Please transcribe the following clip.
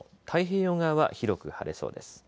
太平洋側は広く晴れそうです。